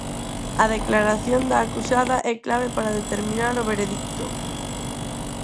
A declaración da acusada é clave para determinar o veredicto.